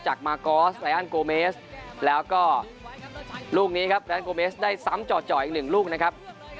จากมากอสและอัลโกเมสแล้วก็ลูกนี้ครับและอัลโกเมสได้ซ้ำจ่ออีก๑ลูกนะครับ